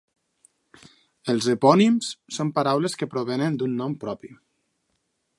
Els epònims són paraules que provenen d'un nom propi.